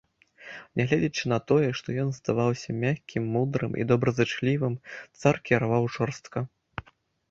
Нягледзячы на тое, што ён здаваўся мяккім, мудрым і добразычлівым, цар кіраваў жорстка.